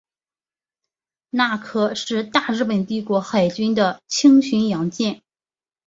那珂是大日本帝国海军的轻巡洋舰。